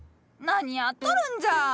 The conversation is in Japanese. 何やっとるんじゃ！